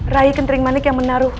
rai kentring manik yang menaruh